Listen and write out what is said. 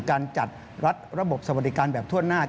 การจัดรัฐระบบสวัสดิการแบบทั่วหน้า